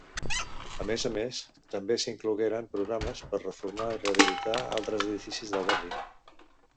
A més a més, també s'inclogueren programes per reformar i rehabilitar altres edificis del barri.